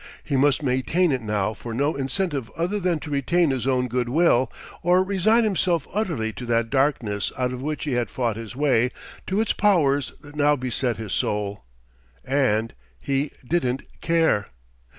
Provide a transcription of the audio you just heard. He must maintain it now for no incentive other than to retain his own good will or resign himself utterly to that darkness out of which he had fought his way, to its powers that now beset his soul. And ... he didn't care.